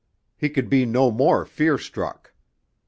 He could be no more fear struck.